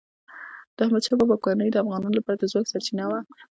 د احمد شاه بابا واکمني د افغانانو لپاره د ځواک سرچینه وه.